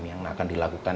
yang akan dilakukan